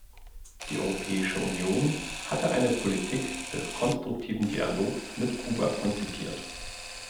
Die Europäische Union hatte eine Politik des konstruktiven Dialogs mit Kuba konzipiert.